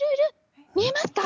見えますか？